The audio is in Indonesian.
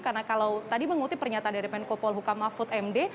karena kalau tadi mengutip pernyataan dari menko polhukam mahfud md